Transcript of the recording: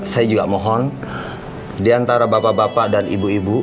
saya juga mohon diantara bapak bapak dan ibu ibu